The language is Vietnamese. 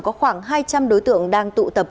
có khoảng hai trăm linh đối tượng đang tụ tập